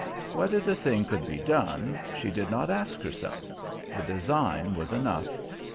Whether the thing could be done, she did not ask herself; the design was enough.